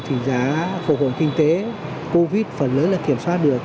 thì giá phục hồi kinh tế covid phần lớn là kiểm soát được